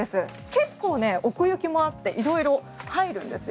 結構、奥行きもあって色々入るんですよ。